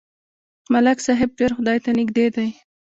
ملک صاحب ډېر خدای ته نږدې دی.